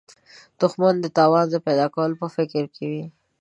دښمن د تاوان د پیدا کولو په فکر کې وي